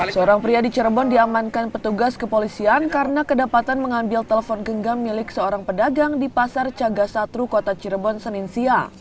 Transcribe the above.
seorang pria di cirebon diamankan petugas kepolisian karena kedapatan mengambil telepon genggam milik seorang pedagang di pasar cagasatru kota cirebon seninsia